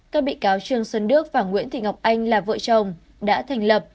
các bị cáo trương xuân đức và nguyễn thị ngọc anh là vợ chồng đã thành lập